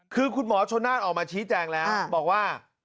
คือคุณหมอชนนั่นออกมาชี้แจงแล้วบอกว่า